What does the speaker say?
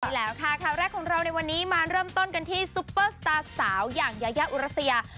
ใช่แล้วค่ะข่าวแรกของเราในวันนี้มาเริ่มต้นกันที่ซุปเปอร์สตาร์สาวอย่างยายาอุรัสยา